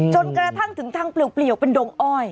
จนกระทั่งถึงทางเปลี่ยวเป็นดงอ้อย